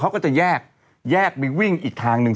เขาก็จะแยกแยกไปวิ่งอีกทางหนึ่ง